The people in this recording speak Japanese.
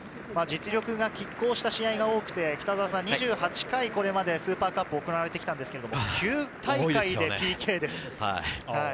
実力が拮抗した試合が多くて、２８回これまでスーパーカップ行われてきたんですけれど、９大会でＰＫです。